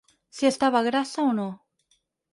Si estava grassa o no.